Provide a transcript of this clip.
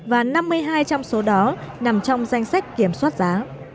và năm mươi hai trong số đó nằm trong danh sách kiểm soát giá